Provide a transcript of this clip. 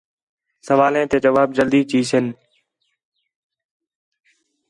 سوالیں تے جواب جلدی چِیسن